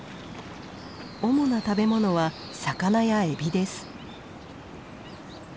主な食べ物は魚やエビです。